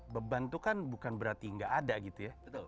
beban itu kan bukan berarti nggak ada gitu ya